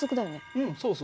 うんそうそう。